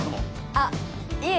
あっいえ